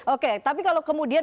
oke tapi kalau kemudian